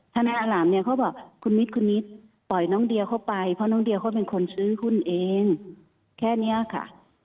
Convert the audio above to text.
นายอารามเนี่ยเขาบอกคุณนิดคุณนิดปล่อยน้องเดียเข้าไปเพราะน้องเดียเขาเป็นคนซื้อหุ้นเองแค่นี้ค่ะ